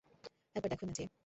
একবার দেখোই না চেয়ে।